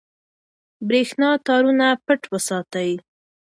برېښنا تارونه پټ وساتئ.